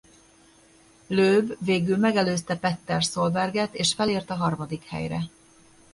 Loeb végül megelőzte Petter Solberget és felért a harmadik helyre.